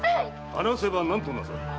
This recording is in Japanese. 放せば何となさる？